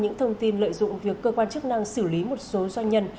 những thông tin lợi dụng việc cơ quan chức năng xử lý một số doanh nhân